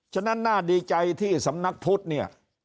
ฉะนั้นน่าดีใจที่สำนักพุทธเนี่ย